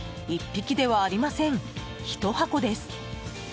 １匹ではありません、１箱です。